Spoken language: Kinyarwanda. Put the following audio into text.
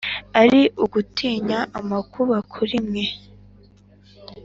Ari ugutinya amakuba kuri mwe!"